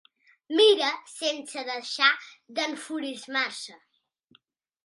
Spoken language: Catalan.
Mira sense deixar d'enfurismar-se.